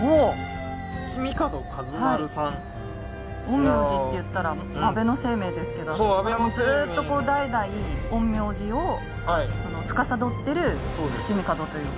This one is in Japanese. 陰陽師って言ったら安倍晴明ですけどずっとこう代々陰陽師をつかさどってる土御門という。